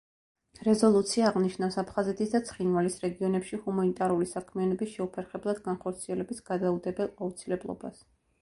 რეზოლუცია აღნიშნავს აფხაზეთის და ცხინვალის რეგიონებში ჰუმანიტარული საქმიანობის შეუფერხებლად განხორციელების გადაუდებელ აუცილებლობას.